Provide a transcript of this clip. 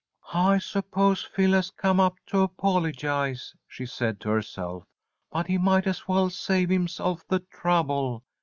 "I suppose Phil has come up to apologize," she said to herself, "but he might as well save himself the trouble.